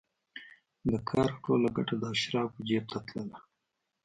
د کار ټوله ګټه د اشرافو جېب ته تلله.